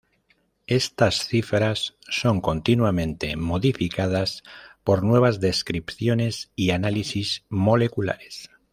Estas cifras son continuamente modificadas por nuevas descripciones y análisis moleculares.